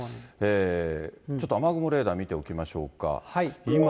ちょっと雨雲レーダー見ておきましょうか。